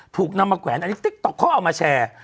ถูกนำมาแขวนอันนี้ติ๊กต๊อกเขาเอามาแชร์